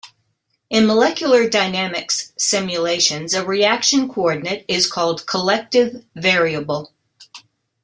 In molecular dynamics simulations, a reaction coordinate is called collective variable.